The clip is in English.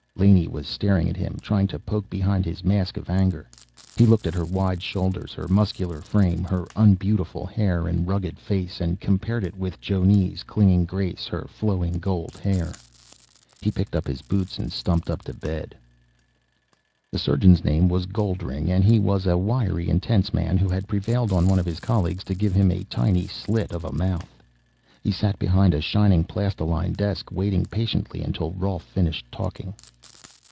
Laney was staring at him, trying to poke behind his mask of anger. He looked at her wide shoulders, her muscular frame, her unbeautiful hair and rugged face, and compared it with Jonne's clinging grace, her flowing gold hair. He picked up his boots and stumped up to bed. The surgeon's name was Goldring, and he was a wiry, intense man who had prevailed on one of his colleagues to give him a tiny slit of a mouth. He sat behind a shining plastiline desk, waiting patiently until Rolf finished talking.